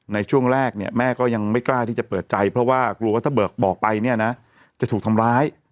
ในช่วงแรกเนี่ยแม่ก็ยังไม่กล้าที่จะเปิดใจเพราะว่ากลัวว่าถ้าเบิกบอกไปเนี่ยนะจะถูกทำร้าย